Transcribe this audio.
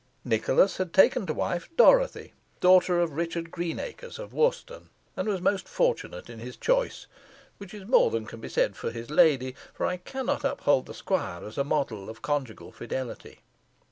Nicholas had taken to wife Dorothy, daughter of Richard Greenacres of Worston, and was most fortunate in his choice, which is more than can be said for his lady, for I cannot uphold the squire as a model of conjugal fidelity.